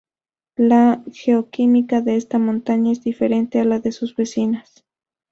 La geoquímica de esta montaña es diferente a la de sus vecinas.